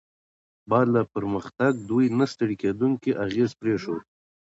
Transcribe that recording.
بعد له پرمختګ، دوی نه ستړي کیدونکی اغېز پرېښود.